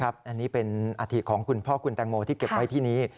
อันนี้เป็นอาถิของคุณพ่อคุณแตงโมที่เก็บไว้ที่นี้